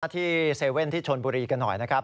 ที่๗๑๑ที่ชนบุรีกันหน่อยนะครับ